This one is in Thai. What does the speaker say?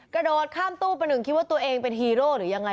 กระโดดข้ามตู้ประหนึ่งคิดว่าตัวเองเป็นฮีโร่หรือยังไง